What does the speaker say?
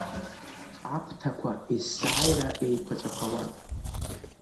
Аԥҭақәа есааира еиқәаҵәахауан.